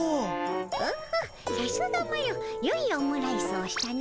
オホッさすがマロよいオムライスをしたの。